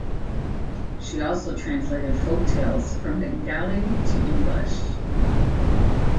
She also translated folk tales from Bengali to English.